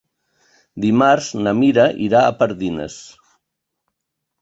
Dimarts na Mira irà a Pardines.